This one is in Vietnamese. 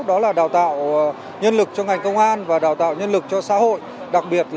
đó là đào tạo nhân lực cho ngành công an và đào tạo nhân lực cho xã hội